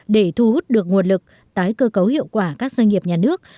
để thu hút được nguồn lực tái cơ cấu hiệu quả các doanh nghiệp nhà nước